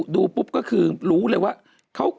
ดูปุ๊บก็คือรู้เลยว่า